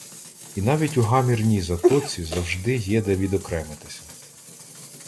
І навіть у гамірній Затоці завжди є де відокремитися